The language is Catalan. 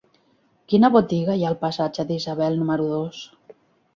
Quina botiga hi ha al passatge d'Isabel número dos?